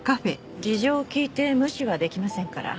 事情を聴いて無視はできませんから。